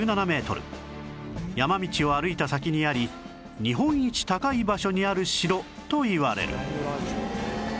山道を歩いた先にあり日本一高い場所にある城といわれる